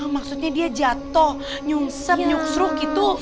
maksudnya dia jatuh nyungser nyuksruk gitu